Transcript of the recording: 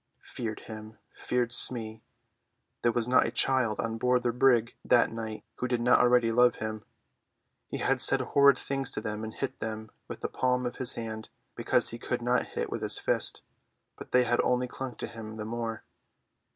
Feared him! Feared Smee! There was not a child on board the brig that night who did not already love him. He had said horrid things to them and hit them with the palm of his hand, because he could not hit with his fist, but they had only clung to him the more.